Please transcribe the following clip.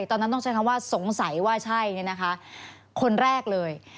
ตอนนั้นต้องใช้คำว่าสงสัยว่าใช่เนี่ยนะคะคนแรกเลย